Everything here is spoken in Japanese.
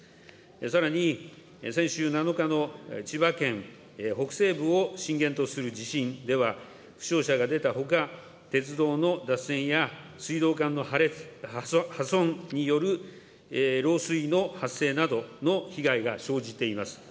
さらに、先週７日の千葉県北西部を震源とする地震では、負傷者が出たほか、鉄道の脱線や水道管の破損による漏水の発生などの被害が生じています。